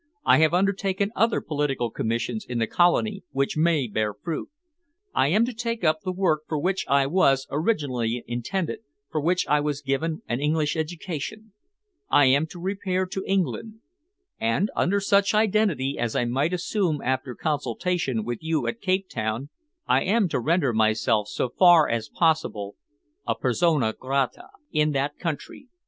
I have undertaken other political commissions in the Colony which may bear fruit. I am to take up the work for which I was originally intended, for which I was given an English education. I am to repair to England, and, under such identity as I might assume after consultation with you at Cape Town, I am to render myself so far as possible a persona grata in that country.